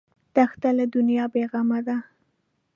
دښته له دنیا بېغمه ده.